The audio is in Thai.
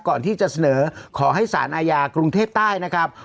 ก่อนที่จะเสนอขอให้สารอาญากรุงเทพใต้นะครับ